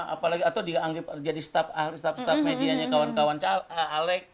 apalagi atau dianggap jadi staff media nya kawan kawan alec